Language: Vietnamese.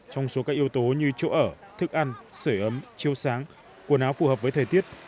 trong số các yếu tố như chỗ ở thức ăn sởi ấm chiêu sáng quần áo phù hợp với thời tiết